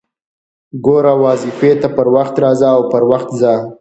ګوره! واظيفې ته پر وخت راځه او پر وخت ځه!